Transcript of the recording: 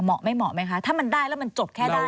เหมาะไม่เหมาะไหมคะถ้ามันได้แล้วมันจบแค่ได้ไหมคะ